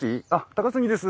高杉です。